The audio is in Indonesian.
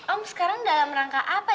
om sekarang dalam rangka apa